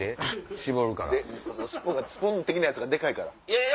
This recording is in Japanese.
スプーン的なやつがでかいから。